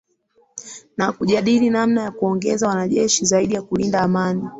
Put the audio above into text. na kujadili namna ya kuongeza wanajeshi zaidi wa kulinda amani